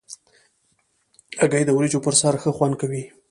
هګۍ د وریجو پر سر ښه خوند کوي.